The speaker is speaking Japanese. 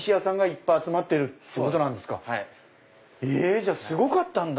じゃあすごかったんだ！